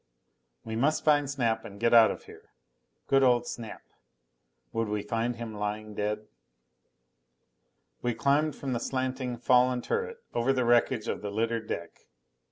We must find Snap and get out of here. Good old Snap! Would we find him lying dead? We climbed from the slanting, fallen turret, over the wreckage of the littered deck.